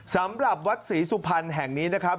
สำหรับวัดศรีสุพรรณแห่งนี้นะครับ